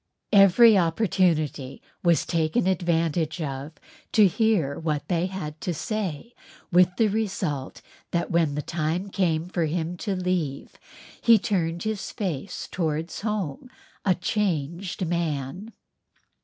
Every opportunity was taken advantage of to hear what they had to say with the result that when the time came for him to leave, he turned his face towards home a changed man.